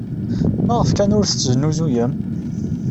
Maɣef kan ur t-tesnuzuyem?